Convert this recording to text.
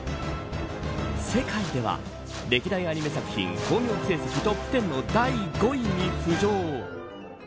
世界では歴代アニメ作品興行成績トップ１０の第５位に浮上。